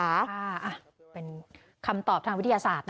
ค่ะคำตอบทางวิทยาศาสตร์นะ